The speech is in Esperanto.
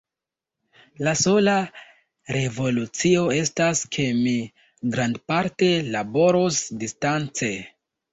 La sola revolucio estas, ke mi grandparte laboros distance.